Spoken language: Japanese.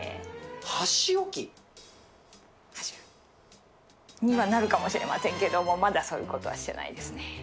箸置き？にはなるかもしれませんけども、まだそういうことはしてないですね。